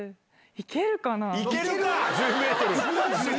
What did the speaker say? いけるか！